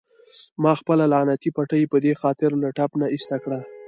ما خپله لعنتي پټۍ په دې خاطر له ټپ نه ایسته کړه.